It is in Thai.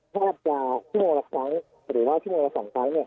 แทบจะชั่วโมงละครั้งหรือว่าชั่วโมงละ๒ครั้ง